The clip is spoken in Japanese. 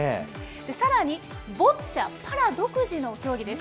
さらにボッチャ、パラ独自の競技です。